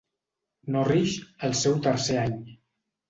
Norrish el seu tercer any.